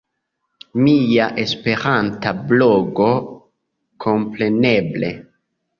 Mia esperanta blogo, kompreneble!